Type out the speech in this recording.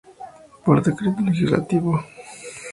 Por decreto legislativo No.